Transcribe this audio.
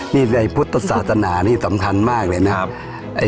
ในภุตศาสนานี่สำคัญมากเลยนะ